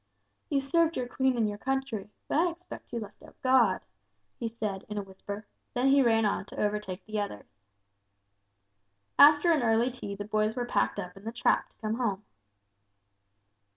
"You served your Queen and country, but I expect you left out God," he said, in a whisper; then he ran on to overtake the others. After an early tea the boys were packed up in the trap to come home.